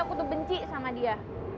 aku tuh benci sama dia